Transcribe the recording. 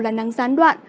là nắng gián đoạn